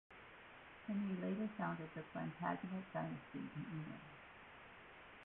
Henry later founded the Plantagenet dynasty in England.